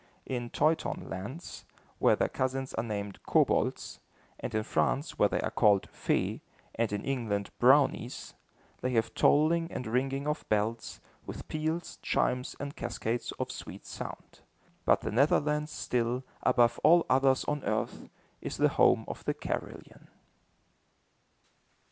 In Teuton lands, where their cousins are named kobolds, and in France where they are called fée, and in England brownies, they have tolling and ringing of bells, with peals, chimes and cascades of sweet sound; but the Netherlands, still, above all others on earth, is the home of the carillon.